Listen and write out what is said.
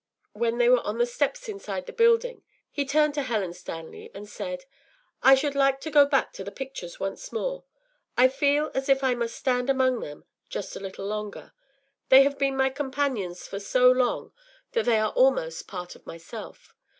When they were on the steps inside the building, he turned to Helen Stanley and said: “I should like to go back to the pictures once more. I feel as if I must stand among them just a little longer. They have been my companions for so long that they are almost part of myself.